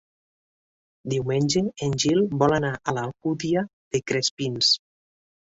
Diumenge en Gil vol anar a l'Alcúdia de Crespins.